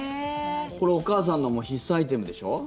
これ、お母さんの必須アイテムでしょ。